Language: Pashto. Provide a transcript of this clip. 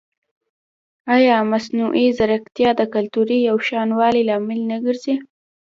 ایا مصنوعي ځیرکتیا د کلتوري یوشان والي لامل نه ګرځي؟